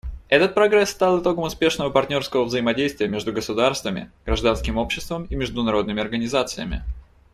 Этот прогресс стал итогом успешного партнерского взаимодействия между государствами, гражданским обществом и международными организациями.